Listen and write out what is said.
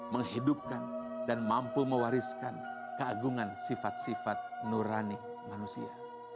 menghidupkan dan mampu mewariskan keagungan sifat sifat nurani manusia